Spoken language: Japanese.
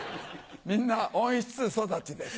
みんな温室育ちです。